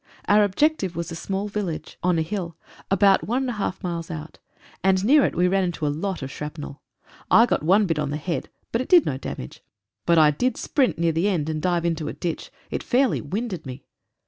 Our objective was a small village 59 SHRAPNEL AND GAS. on a hill, about one and a half miles out, and near it we ran into a lot of shrapnel. I got one bit on the head, but it did no damage. But I did sprint near the end, and dive into a ditch. It fairly winded me.